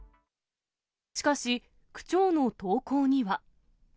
しかし、区長の投稿には。